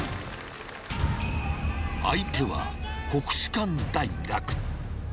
相手は国士舘大学。